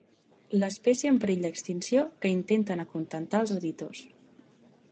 L'espècie en perill d'extinció que intenten acontentar els editors.